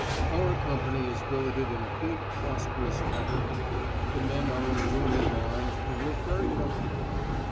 Our company is billeted in a big prosperous farm. The men are in a roomy barn and look very comfortable.